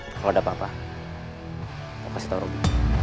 kalau ada apa apa lo kasih tau robby